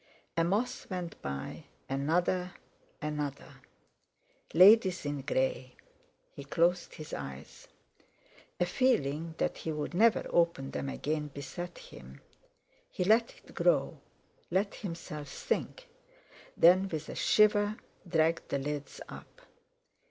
A moth went by, another, another. "Ladies in grey!" He closed his eyes. A feeling that he would never open them again beset him; he let it grow, let himself sink; then, with a shiver, dragged the lids up.